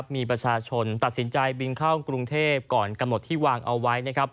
มีประชาชนตัดสินใจบินเข้ากรุงเทพก่อนกำหนดที่วางเอาไว้